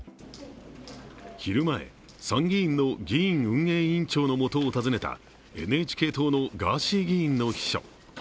昼前、参議院の議院運営委員長のもとを訪ねたＮＨＫ党のガーシー議員の秘書。